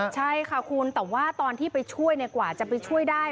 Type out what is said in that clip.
ใช่ค่ะคุณแต่ว่าตอนที่ไปช่วยกว่าจะไปช่วยได้